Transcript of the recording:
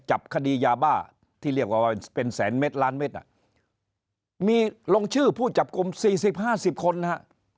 จับคดียาบ้าที่เรียกว่าเป็นแสนเม็ดล้านเม็ดอ่ะมีลงชื่อผู้จับกลุ่มสี่สิบห้าสิบคนนะฮะ